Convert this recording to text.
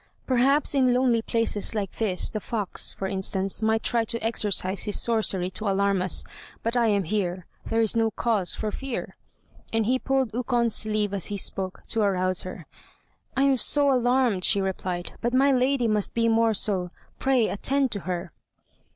"Perhaps in lonely places like this the fox, for instance, might try to exercise his sorcery to alarm us, but I am here, there is no cause for fear," and he pulled Ukon's sleeve as he spoke, to arouse her. "I was so alarmed," she replied; "but my lady must be more so; pray attend to her."